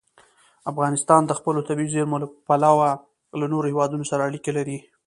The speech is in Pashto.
افغانستان د خپلو طبیعي زیرمو له پلوه له نورو هېوادونو سره اړیکې لري.